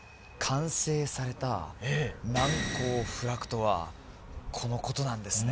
完成された難攻不落とはこのことなんですね